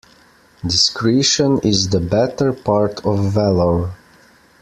Discretion is the better part of valour.